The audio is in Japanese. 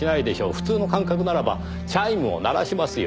普通の感覚ならばチャイムを鳴らしますよ。